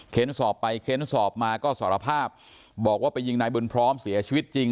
สอบไปเค้นสอบมาก็สารภาพบอกว่าไปยิงนายบุญพร้อมเสียชีวิตจริง